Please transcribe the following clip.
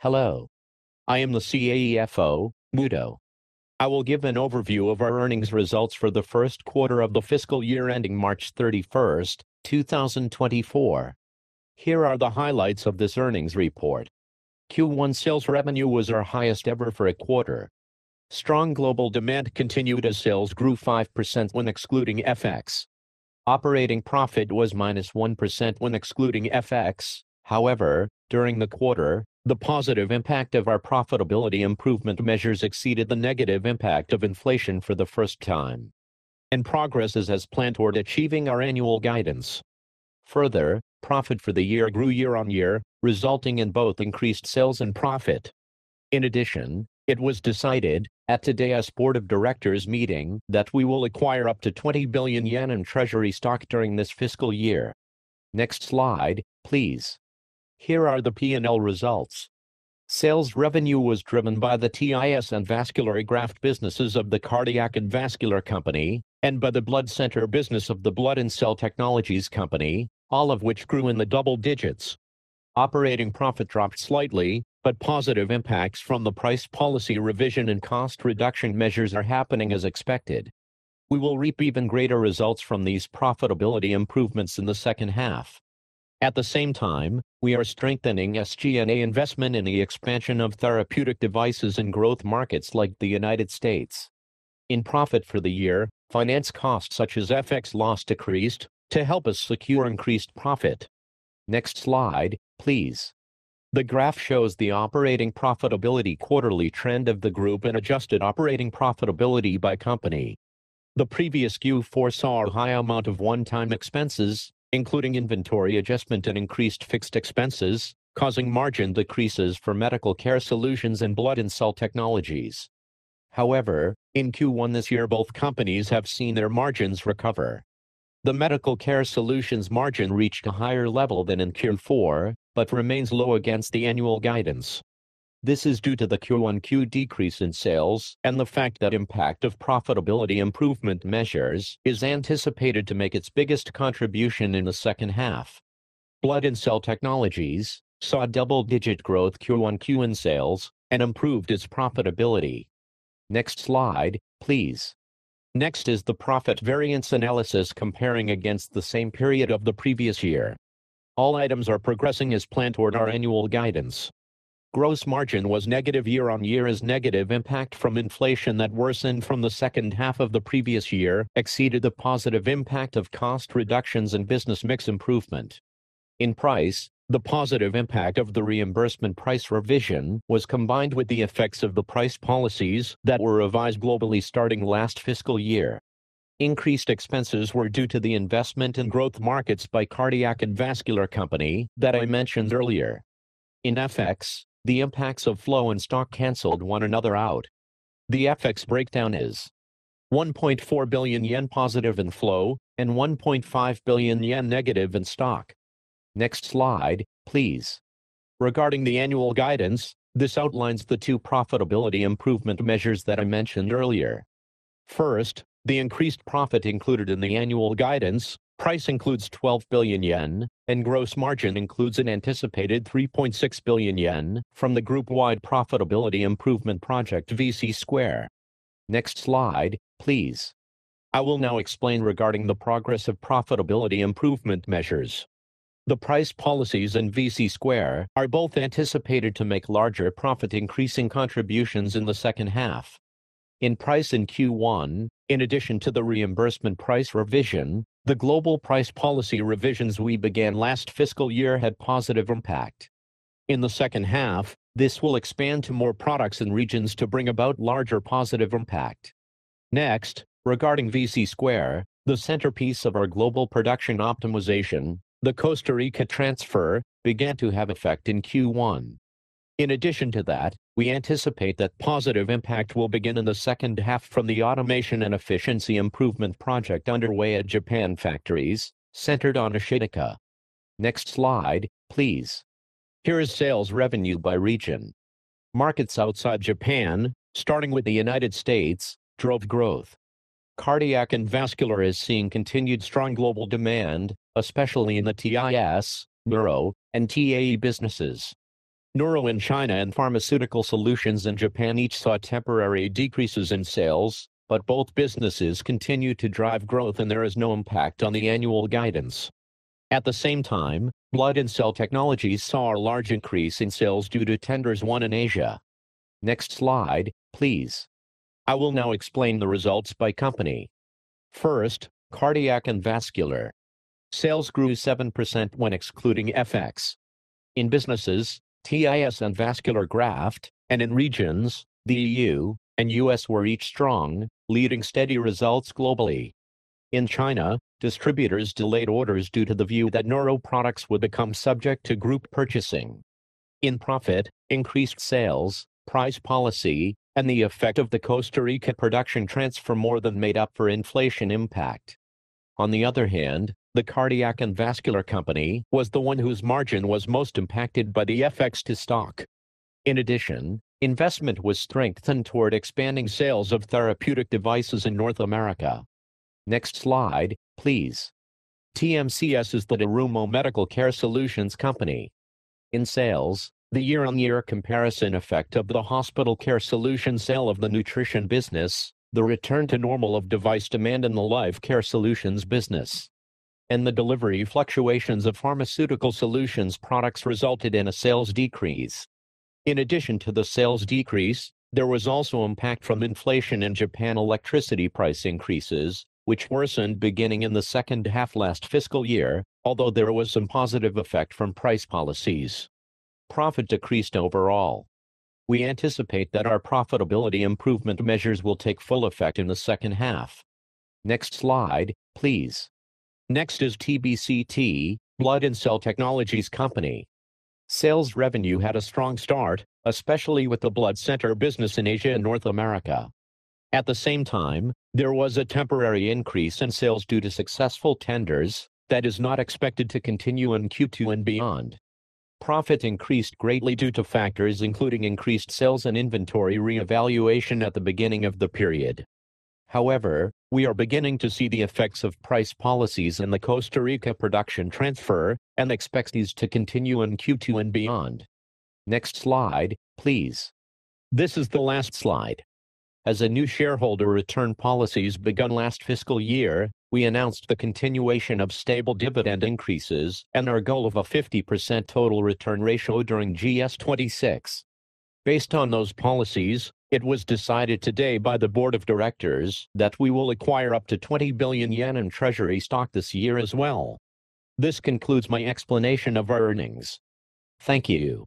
Hello. I am the CAFO, Mutoh. I will give an overview of our earnings results for the 1st quarter of the fiscal year ending March 31st, 2024. Here are the highlights of this earnings report. Q1 sales revenue was our highest ever for a quarter. Strong global demand continued as sales grew 5% when excluding FX. Operating profit was -1% when excluding FX. However, during the quarter, the positive impact of our profitability improvement measures exceeded the negative impact of inflation for the first time, and progress is as planned toward achieving our annual guidance. Further, profit for the year grew year-over-year, resulting in both increased sales and profit. In addition, it was decided at today's board of directors meeting that we will acquire up to 20 billion yen in treasury stock during this fiscal year. Next slide, please. Here are the P&L results. Sales revenue was driven by the TIS and Vascular Graft businesses of the Cardiac and Vascular Company and by the blood center business of the Blood and Cell Technologies Company, all of which grew in the double digits. Operating profit dropped slightly, but positive impacts from the price policy revision and cost reduction measures are happening as expected. We will reap even greater results from these profitability improvements in the second half. At the same time, we are strengthening SG&A investment in the expansion of therapeutic devices in growth markets like the United States. In profit for the year, finance costs such as FX loss decreased to help us secure increased profit. Next slide, please. The graph shows the operating profitability quarterly trend of the group and adjusted operating profitability by company. The previous Q4 saw a high amount of one-time expenses, including inventory adjustment and increased fixed expenses, causing margin decreases for Medical Care Solutions and Blood and Cell Technologies. In Q1 this year, both companies have seen their margins recover. The Medical Care Solutions margin reached a higher level than in Q4, but remains low against the annual guidance. This is due to the Q1 Q decrease in sales and the fact that impact of profitability improvement measures is anticipated to make its biggest contribution in the second half. Blood and Cell Technologies saw double-digit growth Q1 Q in sales and improved its profitability. Next slide, please. Next is the profit variance analysis comparing against the same period of the previous year. All items are progressing as planned toward our annual guidance. Gross margin was negative year-on-year as negative impact from inflation that worsened from the second half of the previous year exceeded the positive impact of cost reductions and business mix improvement. In price, the positive impact of the reimbursement price revision was combined with the effects of the price policies that were revised globally starting last fiscal year. Increased expenses were due to the investment in growth markets by Cardiac and Vascular Company that I mentioned earlier. In FX, the impacts of flow and stock canceled one another out. The FX breakdown is 1.4 billion yen positive in flow and 1.5 billion yen negative in stock. Next slide, please. Regarding the annual guidance, this outlines the two profitability improvement measures that I mentioned earlier. First, the increased profit included in the annual guidance price includes 12 billion yen, and gross margin includes an anticipated 3.6 billion yen from the group-wide profitability improvement project, VC2. Next slide, please. I will now explain regarding the progress of profitability improvement measures. The price policies and VC2 are both anticipated to make larger profit, increasing contributions in the second half. In price in Q1, in addition to the reimbursement price revision, the global price policy revisions we began last fiscal year had positive impact. In the second half, this will expand to more products and regions to bring about larger positive impact. Next, regarding VC2, the centerpiece of our global production optimization, the Costa Rica transfer, began to have effect in Q1. In addition to that, we anticipate that positive impact will begin in the second half from the automation and efficiency improvement project underway at Japan factories, centered on Ashitaka. Next slide, please. Here is sales revenue by region. Markets outside Japan, starting with the United States, drove growth. Cardiac and Vascular is seeing continued strong global demand, especially in the TIS, Neuro, and TAE businesses. Neuro in China and Pharmaceutical Solutions in Japan each saw temporary decreases in sales. Both businesses continue to drive growth, and there is no impact on the annual guidance. At the same time, Blood and Cell Technologies saw a large increase in sales due to tenders won in Asia. Next slide, please. I will now explain the results by company. First, Cardiac and Vascular. Sales grew 7% when excluding FX. In businesses, TIS and Vascular Graft, in regions, the EU and U.S. were each strong, leading steady results globally. In China, distributors delayed orders due to the view that Neuro products would become subject to group purchasing. In profit, increased sales, price policy, and the effect of the Costa Rica production transfer more than made up for inflation impact. On the other hand, the Cardiac and Vascular Company was the one whose margin was most impacted by the FX to stock. In addition, investment was strengthened toward expanding sales of therapeutic devices in North America. Next slide, please. TMCS is the Terumo Medical Care Solutions company. In sales, the year-on-year comparison effect of the Hospital Care Solutions sale of the nutrition business, the return to normal of device demand in the Life Care Solutions business, and the delivery fluctuations of Pharmaceutical Solutions products resulted in a sales decrease. In addition to the sales decrease, there was also impact from inflation in Japan electricity price increases, which worsened beginning in the second half last fiscal year, although there was some positive effect from price policies. Profit decreased overall. We anticipate that our profitability improvement measures will take full effect in the second half. Next slide, please. Next is TBCT, Blood and Cell Technologies Company. Sales revenue had a strong start, especially with the blood center business in Asia and North America. At the same time, there was a temporary increase in sales due to successful tenders that is not expected to continue in Q2 and beyond. Profit increased greatly due to factors including increased sales and inventory reevaluation at the beginning of the period. However, we are beginning to see the effects of price policies in the Costa Rica production transfer and expect these to continue in Q2 and beyond. Next slide, please. This is the last slide. As a new shareholder return policies begun last fiscal year, we announced the continuation of stable dividend increases and our goal of a 50% total return ratio during GS26. Based on those policies, it was decided today by the board of directors that we will acquire up to 20 billion yen in treasury stock this year as well. This concludes my explanation of our earnings. Thank you.